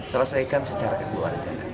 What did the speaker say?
selesaikan secara keluarga